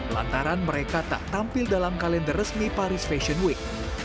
lantaran mereka tak tampil dalam kalender resmi paris fashion week